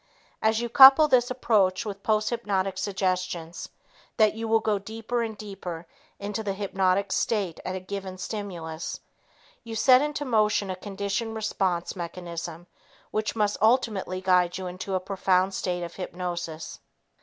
As you couple this approach with posthypnotic suggestions that you will go deeper and deeper into the hypnotic state at a given stimulus, you set into motion a conditioned response mechanism which must ultimately guide you into a profound state of hypnosis.